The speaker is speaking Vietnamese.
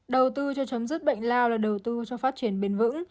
đầu tư cho chấm dứt bệnh lao là đầu tư cho phát triển bền vững